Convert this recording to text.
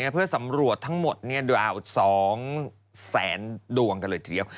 เพื่อสำรวจทั้งหมดดวง๒แสนดวงกันเลยทีเดียว